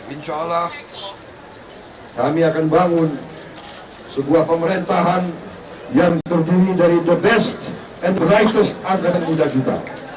insya allah kami akan bangun sebuah pemerintahan yang terdiri dari the best and brises agar muda kita